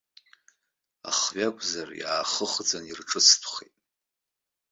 Ахаҩа акәзар, иаахыхӡаны ирҿыцтәхеит.